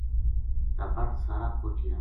تابٹ سارا پوہچیا